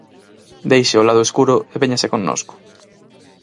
Deixe o lado escuro e véñase connosco.